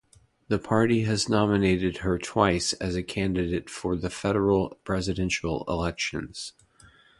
The party has nominated her twice as a candidate for the federal presidential elections.